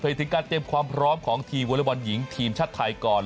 ถึงการเตรียมความพร้อมของทีมวอเล็กบอลหญิงทีมชาติไทยก่อน